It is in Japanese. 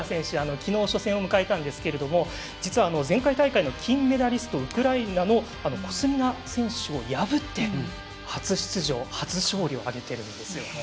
きのう初戦を迎えたんですけど実は前回大会の金メダリストのウクライナのコスミナ選手を破って初出場、初勝利を挙げてるんですよね。